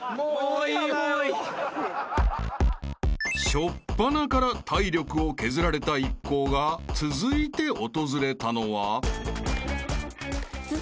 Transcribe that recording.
［初っぱなから体力を削られた一行が続いて訪れたのは］